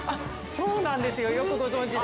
◆そうなんですよ、よくご存じで。